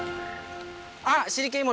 あっ。